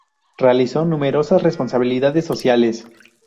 Realizó numerosas responsabilidades sociales.